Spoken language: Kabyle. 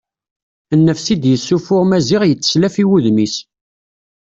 Nnefs i d-yessuffuɣ Maziɣ yetteslaf i wudem-is.